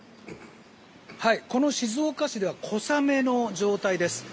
この静岡市では小雨の状態です。